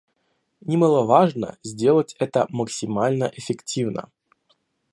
Немаловажно сделать это максимально эффективно